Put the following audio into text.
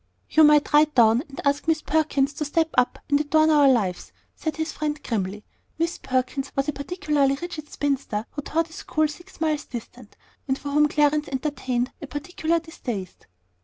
"You might ride down and ask Miss Perkins to step up and adorn our lives," said his friend, grimly. Miss Perkins was a particularly rigid spinster who taught a school six miles distant, and for whom Clarence entertained a particular distaste.